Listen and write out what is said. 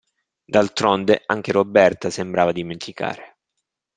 D'altronde anche Roberta sembrava dimenticare.